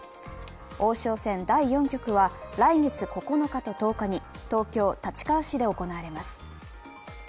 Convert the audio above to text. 王将戦第４局は来月９日と１０日に東京・立川市で行われます。